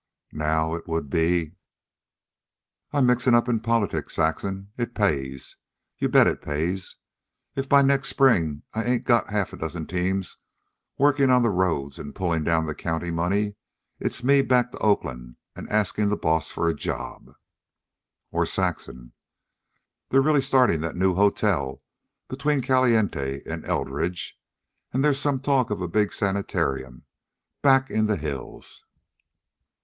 Now it would be: "I'm mixin' up in politics, Saxon. It pays. You bet it pays. If by next spring I ain't got a half a dozen teams workin' on the roads an' pullin' down the county money, it's me back to Oakland an' askin' the Boss for a job." Or, Saxon: "They're really starting that new hotel between Caliente and Eldridge. And there's some talk of a big sanitarium back in the hills."